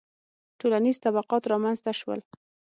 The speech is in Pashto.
• ټولنیز طبقات رامنځته شول.